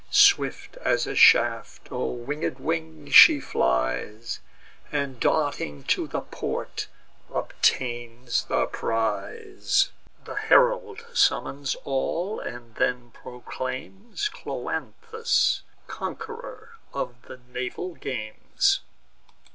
Swift as a shaft, or winged wind, she flies, And, darting to the port, obtains the prize. The herald summons all, and then proclaims Cloanthus conqu'ror of the naval games.